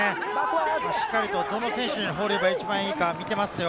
しっかりと、どの選手に放れば一番いいか見ていますよ。